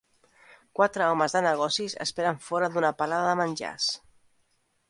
Quatre homes de negocis esperen fora d'una parada de menjars.